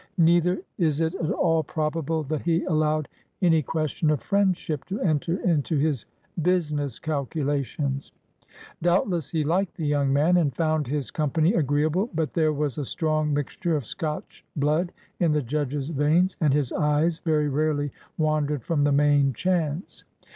Neither is it at all probable that he allowed any question of friend ship to enter into his business calculations. Doubtless he liked the young man and found his company agreeable, but there was a strong mixture of Scotch blood in the judge's veins, and his eyes very rarely wandered from the main chance.